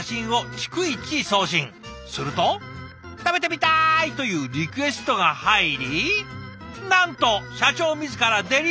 すると「食べてみたい！」というリクエストが入りなんと社長自らデリバリー！